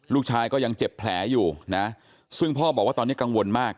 ลูกชายก็ยังเจ็บแผลอยู่นะซึ่งพ่อบอกว่าตอนนี้กังวลมาก